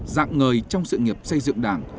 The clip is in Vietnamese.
dạng ngời trong sự nghiệp xây dựng đảng